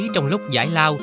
trong lúc giải lao